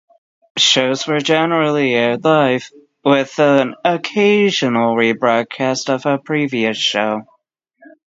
Shows were generally aired live, with an occasional rebroadcast of a previous show.